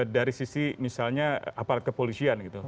dari sisi misalnya aparat kepolisian gitu